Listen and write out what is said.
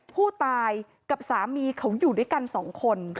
ผู้ตายกับสามีเขาอยู่ด้วยกันสองคน